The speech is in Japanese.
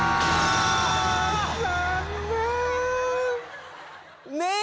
残念。